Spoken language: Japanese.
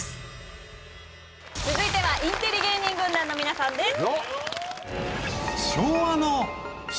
続いてはインテリ芸人軍団の皆さんです。